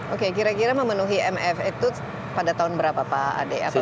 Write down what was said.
oke kira kira memenuhi mf itu pada tahun berapa pak ade